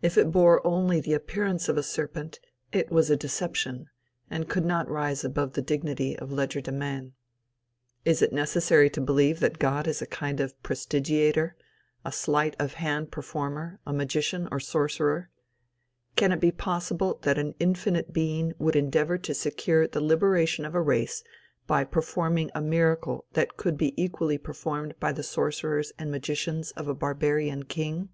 If it bore only the appearance of a serpent it was a deception, and could not rise above the dignity of legerdemain. Is it necessary to believe that God is a kind of prestigiator a sleight of hand per former, a magician or sorcerer? Can it be possible that an infinite being would endeavor to secure the liberation of a race by performing a miracle that could be equally performed by the sorcerers and magicians of a barbarian king?